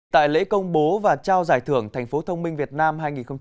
tại lễ công bố và trao giải thưởng thành phố thông minh việt nam hai nghìn hai mươi